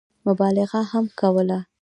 مبالغه هم کوله.